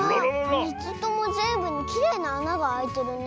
３つともぜんぶにきれいなあながあいてるね。